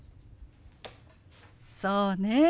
そうね。